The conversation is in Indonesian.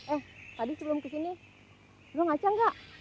eh tadi sebelum kesini belum ngaca nggak